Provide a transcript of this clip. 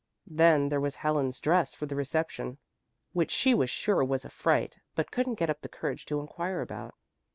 Then there was Helen's dress for the reception, which she was sure was a fright, but couldn't get up the courage to inquire about.